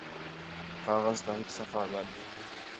کاغذ تا ہِک صفح ڳڈھ